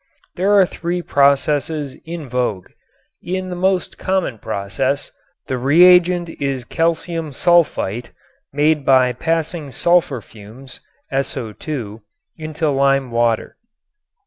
There are three processes in vogue. In the most common process the reagent is calcium sulfite, made by passing sulfur fumes (SO_) into lime water.